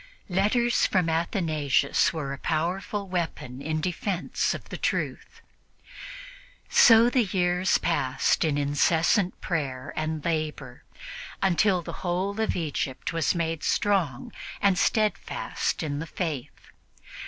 Letters from Athanasius were a powerful weapon in defense of the truth. So the years passed in incessant prayer and labor, until the whole of Egypt was strong and steadfast in the Faith.